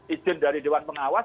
izin dari dewan pengawas